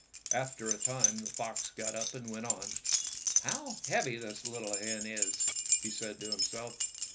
After a time the fox got up and went on. "How heavy this little hen is!" he said to himself.